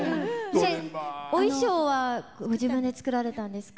お衣装は自分で作られたんですか？